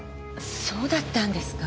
そうだったんですか。